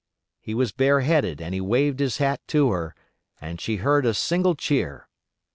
He was bare headed and he waved his hat to her, and she heard a single cheer.